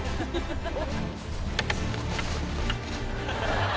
ハハハハ！